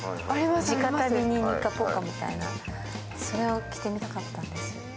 地下足袋にニッカポッカみたいなそれを着てみたかったんです。